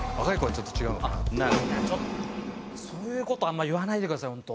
そういうことあんま言わないでください。